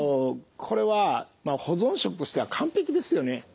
これは保存食としては完璧ですよね。